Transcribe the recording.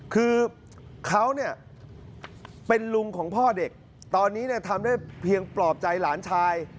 คือเขาเนี่ยเป็นลุงของพ่อเด็กตอนนี้ทำได้เพียงปลอบใจหลานชาย